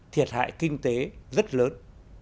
thiệt hại kinh tế rất lớn